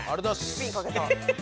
スピンかけた。